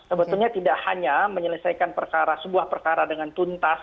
sebetulnya tidak hanya menyelesaikan perkara sebuah perkara dengan tuntas